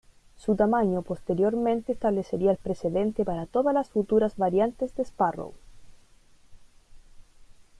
Su tamaño posteriormente establecería el precedente para todas las futuras variantes de Sparrow.